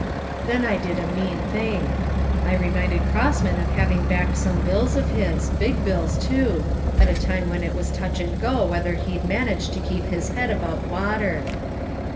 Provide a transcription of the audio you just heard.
Then I did a mean thing. I reminded Crossman of having backed some bills of his big bills, too at a time when it was touch and go whether he'd manage to keep his head above water.